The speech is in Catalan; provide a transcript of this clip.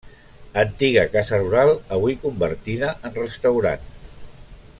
Antiga casa rural avui convertida en restaurant.